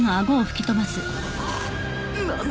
何だ！？